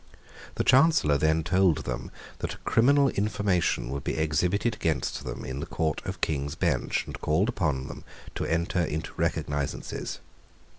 The Chancellor then told them that a criminal information would be exhibited against them in the Court of King's Bench, and called upon them to enter into recognisances.